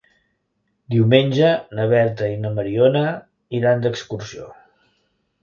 Diumenge na Berta i na Mariona iran d'excursió.